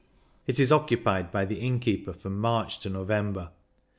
It is occupied by the innkeeper from March to November.